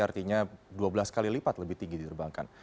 artinya dua belas kali lipat lebih tinggi diterbangkan